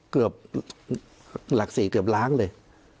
เกือบหลัก๔เกือบล้านเลย